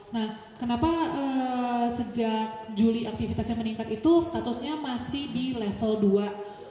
nah kenapa sejak juli aktivitasnya meningkat itu statusnya masih di level dua